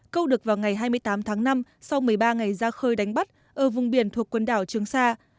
câu được vào ngày hai mươi tám tháng năm sau một mươi ba ngày ra khơi đánh bắt ở vùng biển thuộc quần đảo trường sa